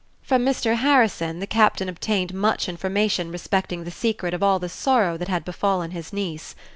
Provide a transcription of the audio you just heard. From Mr. Harrison the captain obtained much information respecting the secret of all the sorrow that had befallen his niece.